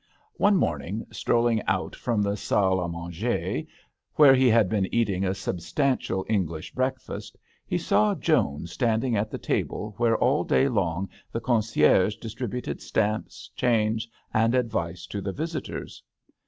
One morning, strolling out from the salle d manger where he had been eating a substantial English breakfast, he saw Joan standing at the table where all I 26 THE HdXEL d'aNGLETERRE. day long the concierge distri buted stamps, change and advice to the visitors.